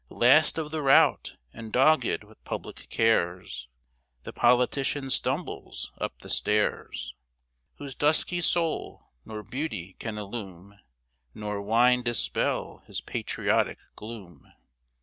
... Last of the rout, and dogg'd with public cares, The politician stumbles up the stairs; Whose dusky soul nor beauty can illume, Nor wine dispel his patriotic gloom.